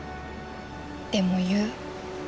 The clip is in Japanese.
でも言う。